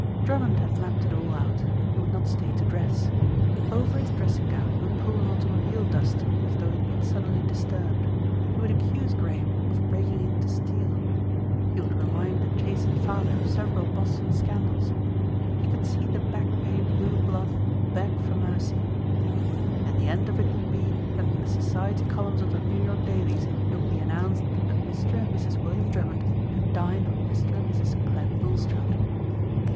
Drummond had mapped it all out. He would not stay to dress. Over his dressing gown he would pull an automobile duster as though he had been suddenly disturbed. He would accuse Graham of breaking in to steal. He would remind the chastened father of several Boston scandals. He could see the Back Bay blue blood beg for mercy. And the end of it would be that in the society columns of the New York dailies it would be announced that Mr. and Mrs. William Drummond had dined with Mr. and Mrs. Clent Bulstrode.